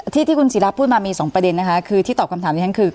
ที่ที่คุณศิราพูดมามีสองประเด็นนะคะคือที่ตอบคำถามที่ฉันคือ